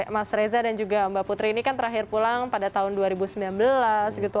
mas reza dan juga mbak putri ini kan terakhir pulang pada tahun dua ribu sembilan belas gitu